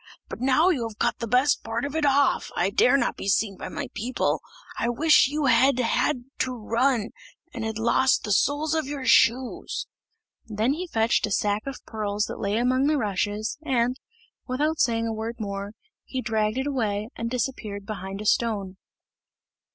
But now you have cut the best part of it off, I dare not be seen by my people. I wish you had had to run, and had lost the soles of your shoes!" Then he fetched a sack of pearls that lay among the rushes, and, without saying a word more, he dragged it away and disappeared behind a stone.